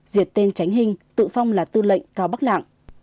diệt tên tránh hình tự phong là tư lệnh cao bắc lạng